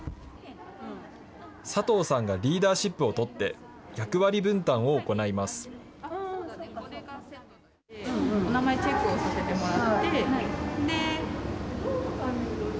佐藤さんがリーダーシップを取って、役割分担を行います。